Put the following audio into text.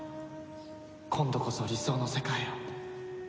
今度こそ理想の世界を。